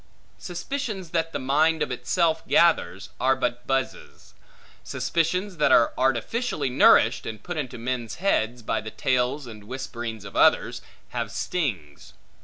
Suspicions that the mind of itself gathers, are but buzzes; but suspicions that are artificially nourished, and put into men's heads, by the tales and whisperings of others, have stings.